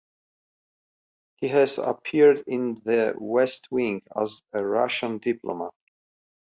He has appeared in "The West Wing" as a Russian diplomat.